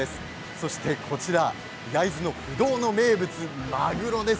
そして、こちら焼津の不動の名物マグロです。